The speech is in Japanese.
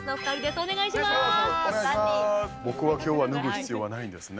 僕はきょうは脱ぐ必要はないんですね。